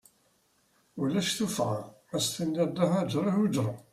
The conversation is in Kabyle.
Ulac tuffɣa ad as-tiniḍ d ahajer ihujren.